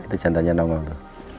itu jantannya naungan itu